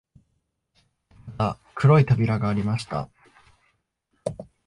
また黒い扉がありました